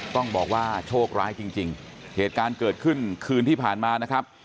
ต้องบอกว่าโชคร้ายจริงเหตุการณ์เกิดขึ้นคืนที่ผ่านมานะครับ